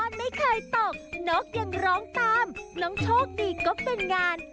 ไม่เคยตกนกยังร้องตามน้องโชคดีก็เป็นงาน